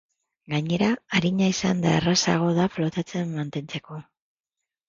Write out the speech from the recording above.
Gainera, arina izanda errazago da flotatzen mantentzeko.